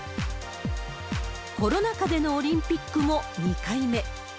コロナ禍でのオリンピックも２回目。